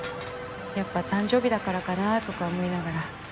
やっぱ誕生日だからかなとか思いながら。